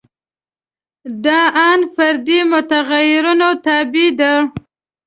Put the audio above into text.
دا ان فردي متغیرونو تابع دي.